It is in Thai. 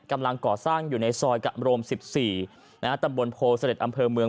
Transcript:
กำลังก่อสร้างอยู่ในซอยกำรมสิบสี่นะฮะตำบลโพธิเศรษฐ์อำเภอเมือง